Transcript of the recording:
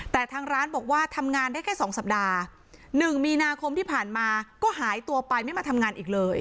แต่ทางร้านบอกว่าทำงานได้แค่๒สัปดาห์๑มีนาคมที่ผ่านมาก็หายตัวไปไม่มาทำงานอีกเลย